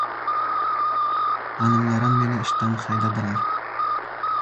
G‘animlarim meni ishdan haydadilar.